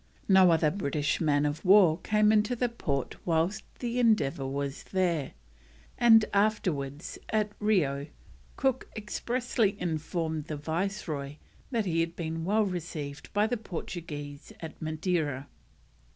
No other British man of war came into the port whilst the Endeavour was there, and afterwards, at Rio, Cook expressly informed the Viceroy that he had been well received by the Portuguese at Madeira.